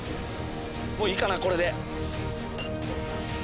もういいかなこれで。